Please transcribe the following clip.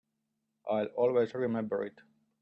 I'll always remember it.